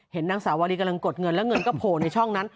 นางสาววารีกำลังกดเงินแล้วเงินก็โผล่ในช่องนั้น